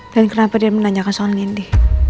dan kenapa dia menanyakan soal nindy